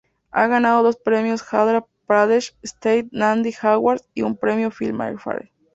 Ha ganado dos premios Andhra Pradesh State Nandi Awards y un premio Filmfare.